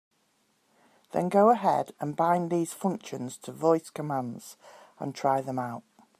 Then go ahead and bind these functions to voice commands and try them out.